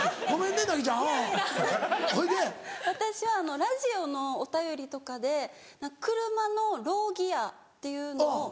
私はラジオのお便りとかで車の「ローギア」っていうのを。